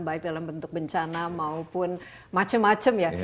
baik dalam bentuk bencana maupun macem macem ya